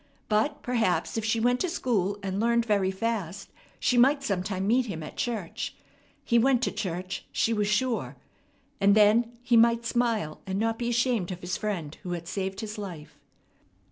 But perhaps, if she went to school and learned very fast, she might sometime meet him at church he went to church, she was sure and then he might smile, and not be ashamed of his friend who had saved his life.